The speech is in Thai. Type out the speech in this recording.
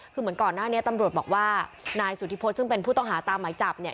คือเหมือนก่อนหน้านี้ตำรวจบอกว่านายสุธิพฤษซึ่งเป็นผู้ต้องหาตามหมายจับเนี่ย